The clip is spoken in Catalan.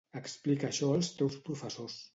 Explica això als teus professors.